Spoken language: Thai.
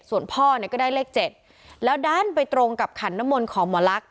ส่วนพ่อเนี้ยก็ได้เลขเจ็ดแล้วด้านไปตรงกับขันนมลของหมอลักษณ์